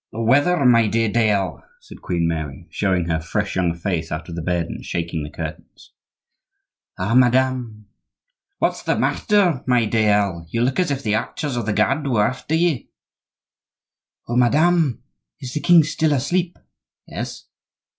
"How is the weather, my dear Dayelle?" said Queen Mary, showing her fresh young face out of the bed, and shaking the curtains. "Ah! madame—" "What's the matter, my Dayelle? You look as if the archers of the guard were after you." "Oh! madame, is the king still asleep?" "Yes."